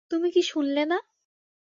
তুমি কি শুনলে না?